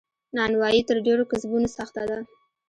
نانوایې تر ډیرو کسبونو سخته ده.